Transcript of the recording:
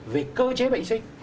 về cơ chế bệnh sinh